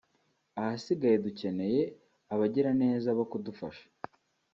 ahasigaye dukeneye abagiraneza bo kudufasha